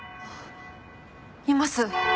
います。